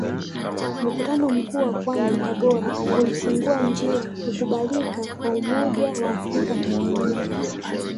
Mkutano Mkuu wa kwanza Tabora ulifungua njia kukubalika kwa umoja wa afrika Tanganyika